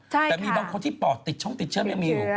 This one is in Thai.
ใช่ค่ะแต่มีบางคนที่ปลอดติดช่องติดเชื้อไม่มีอยู่ติดเชื้อ